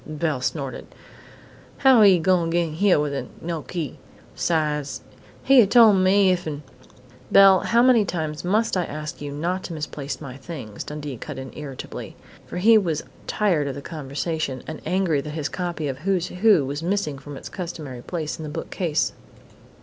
Belle snorted. "How he gonna get in hyer widout no key? 'Sides, he'd a tol' me if'n " "Belle, how many times must I ask you not to misplace my things?" Dundee cut in irritably, for he was tired of the discussion, and angry that his copy of "Who's Who" was missing from its customary place in the bookcase.